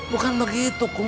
bukan begitu kum